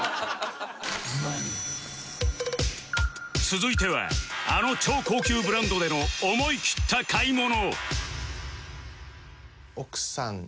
続いてはあの超高級ブランドでの思いきった買い物